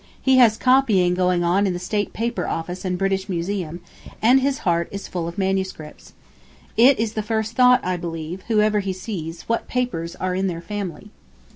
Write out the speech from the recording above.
He has copying going on in the State Paper Office and British Museum, and his heart is full of manuscripts. It is the first thought, I believe, whoever he sees, what papers are in their family.